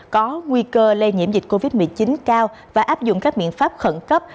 có nguy cơ lây nhiễm dịch covid một mươi chín cao và áp dụng các biện pháp khẩn cấp